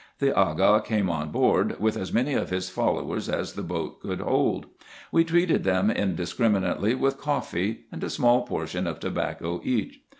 The Aga came on board, with as many of his followers as the boat could hold. We treated them indiscriminately with coffee, and a small portion of tobacco each.